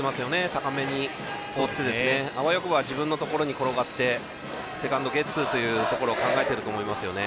高めに放って、あわよくば自分のところに転がってセカンドゲッツーというところ考えていると思います。